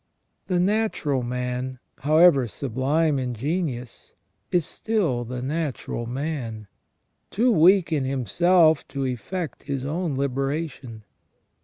The natural man, however sublime in genius, is still the natural man, too weak in himself to effect his own liberation.